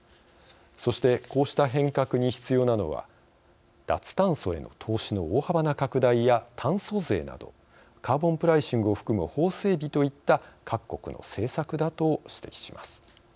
そしてこうした変革に必要なのは脱炭素への投資の大幅な拡大や炭素税などカーボンプライシングを含む法整備といった各国の政策だと指摘します。